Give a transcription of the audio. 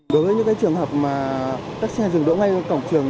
đối với những trường hợp các xe dừng đỗ ngay vào cổng trường